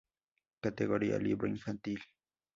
Categoría libro infantil.